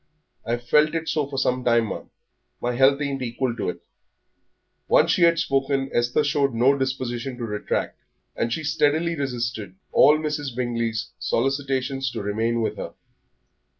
I've felt it so for some time, ma'am. My health ain't equal to it." Once she had spoken, Esther showed no disposition to retract, and she steadily resisted all Mrs. Bingley's solicitations to remain with her.